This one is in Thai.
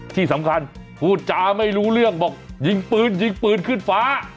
ที่สำคัญพูดจาไม่รู้เรื่องบอกยิงปืนยิงปืนขึ้นฟ้า